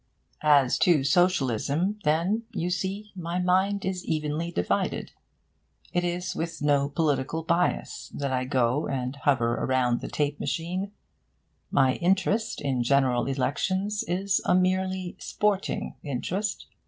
As to socialism, then, you see, my mind is evenly divided. It is with no political bias that I go and hover around the tape machine. My interest in General Elections is a merely 'sporting' interest.